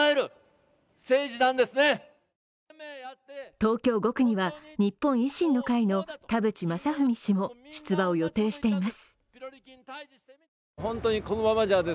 東京５区には日本維新の会の田淵正文氏を出馬を予定しています。